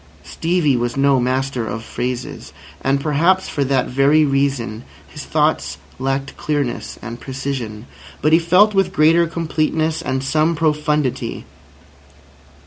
Stevie was no master of phrases, and perhaps for that very reason his thoughts lacked clearness and precision. But he felt with greater completeness and some profundity.